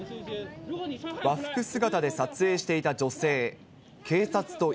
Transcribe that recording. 和服姿で撮影していた女性。